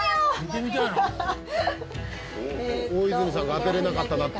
大泉さんが当てられなかった納豆。